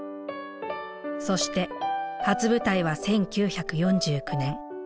そして初舞台は１９４９年。